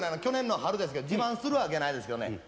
去年の春ですけど自慢するわけやないですけどね